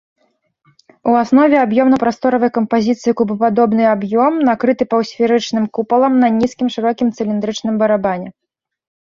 У аснове аб'ёмна-прасторавай кампазіцыі кубападобны аб'ём, накрыты паўсферычным купалам на нізкім, шырокім цыліндрычным барабане.